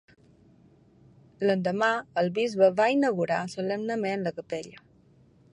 L'endemà, el bisbe va inaugurar solemnement la capella.